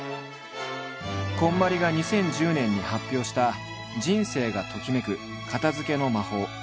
こんまりが２０１０年に発表した「人生がときめく片づけの魔法」。